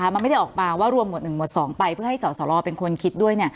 มันไม่ได้ออกมาว่ารวมหวด๑หมวด๒ไปเพื่อให้สสรเป็นคนคิดด้วย